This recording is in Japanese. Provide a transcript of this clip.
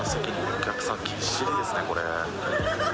お客さん、ぎっしりですね、これ。